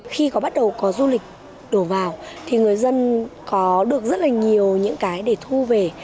khi có bắt đầu có du lịch đổ vào thì người dân có được rất là nhiều những cái để thu về